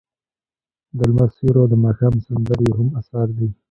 د لمر سیوری او د ماښام سندرې یې هم اثار دي.